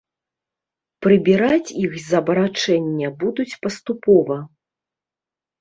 Прыбіраць іх з абарачэння будуць паступова.